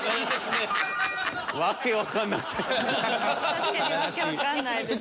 確かに訳わかんないですね。